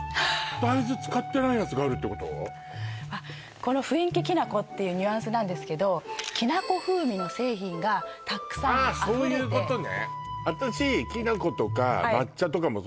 この雰囲気きな粉っていうニュアンスなんですけどきな粉風味の製品がたくさんあふれてああそういうことね